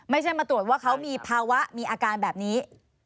ไม่ใช่มาตรวจว่าเขามีภาวะมีอาการแบบนี้